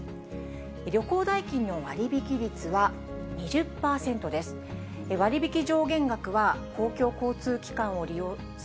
旅行代金の割引率は２０％です。